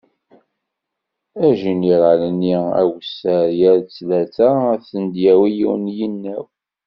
Ajiniral-nni awessar yal ttlata ad sen-d-yawi yiwen yinaw.